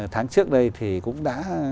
tháng trước đây thì cũng đã